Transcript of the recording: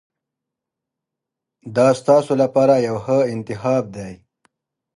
دا ستاسو لپاره یو ښه انتخاب دی.